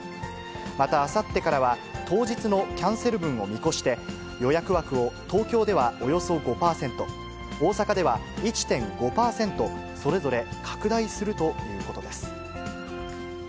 またあさってからは、当日のキャンセル分を見越して、予約枠を東京ではおよそ５％、大阪では１．５％、それぞれ拡大するということです。